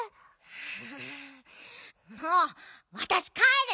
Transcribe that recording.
んもうわたしかえる！